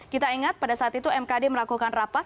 kita ingat pada saat itu mkd melakukan rapat